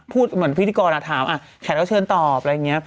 เหมือนพิธีกรถามแขกรับเชิญตอบอะไรอย่างนี้